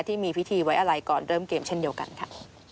ที่มีพิธีไว้อะไรก่อนเริ่มเกมเช่นเดียวกันค่ะ